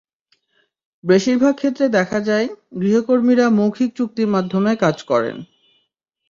বেশির ভাগ ক্ষেত্রে দেখা যায়, গৃহকর্মীরা মৌখিক চুক্তির মাধ্যমে কাজ করেন।